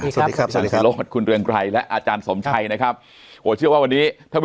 สวัสดีครับสวัสดีครับสวัสดีครับ